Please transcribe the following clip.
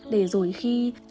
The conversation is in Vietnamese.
để rồi khi